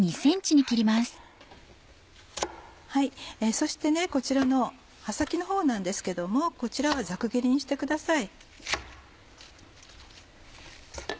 そしてこちらの葉先のほうなんですけどもこちらはざく切りにしてください。